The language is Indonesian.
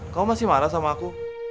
kau masih marah sama aku